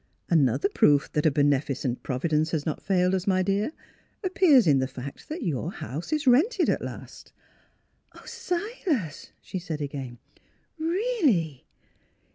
" Another proof that a beneficent Providence has not failed us, my dear, appears in the fact that your house is rented at last." 11 Oh, Silas! " she said again. " Really?